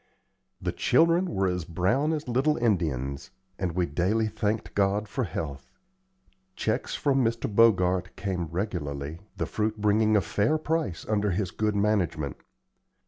The children were as brown as little Indians, and we daily thanked God for health. Checks from Mr. Bogart came regularly, the fruit bringing a fair price under his good management.